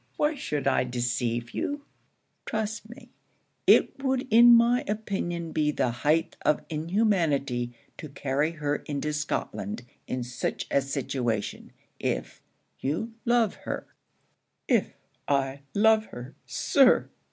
Why should I deceive you? Trust me, it would in my opinion be the height of inhumanity to carry her into Scotland in such a situation, if you love her' 'If I love her, Sir!'